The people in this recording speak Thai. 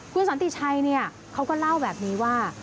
คุณสันติชัยเขาก็เล่าแบบนี้ว่า